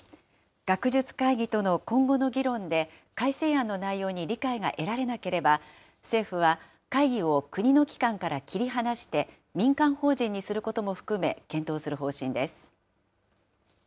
学術会議との今後の議論で、改正案の内容に理解が得られなければ、政府は会議を国の機関から切り離して、民間法人にすることも含め検討する方針です。